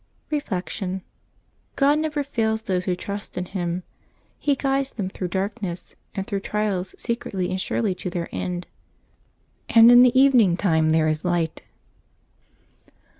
Reflection. — God never fails those who trust in Him; He guides them through darkness and through trials se cretly and surely to their end, and in the evening time there is light.